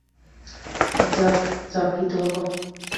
যাক, চাকরি তো হলো।